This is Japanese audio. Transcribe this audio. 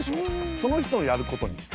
その人のやることに。